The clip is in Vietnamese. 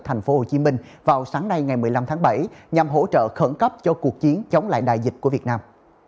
thành phố hồ chí minh vào sáng nay ngày một mươi năm tháng bảy nhằm hỗ trợ khẩn cấp cho cuộc chiến chống lại đại dịch của việt nam